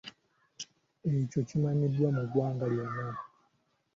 Ekyo kimanyiddwa mu ggwanga lyonna.